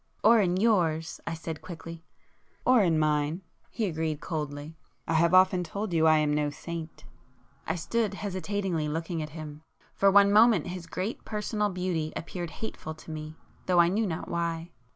"Or in yours!" I said quickly. "Or in mine;"—he agreed coldly—"I have often told you I am no saint." I stood hesitatingly, looking at him. For one moment his great personal beauty appeared hateful to me, though I knew not why.